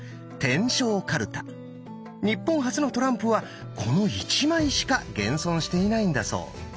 日本初のトランプはこの１枚しか現存していないんだそう。